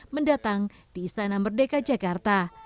mendatang di istana merdeka jakarta